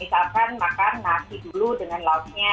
misalkan makan nasi dulu dengan lauknya